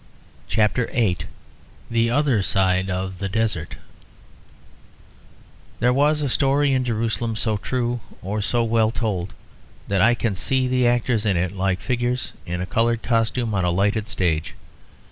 CHAPTER VIII THE OTHER SIDE OF THE DESERT There was a story in Jerusalem so true or so well told that I can see the actors in it like figures in coloured costumes on a lighted stage.